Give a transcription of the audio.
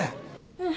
うん。